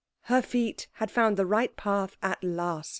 Her feet had found the right path at last.